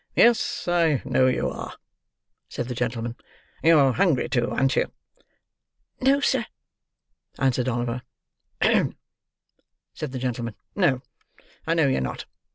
"Yes, I know you are," said the gentleman: "You're hungry too, an't you?" "No, sir," answered Oliver. "Hem!" said the gentleman. "No, I know you're not.